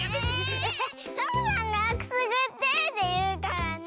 サボさんが「くすぐって」っていうからね。